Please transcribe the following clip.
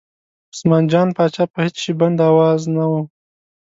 عثمان جان پاچا په هېڅ شي بند او واز نه و.